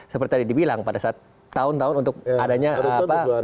seperti tadi dibilang pada saat tahun tahun untuk adanya apa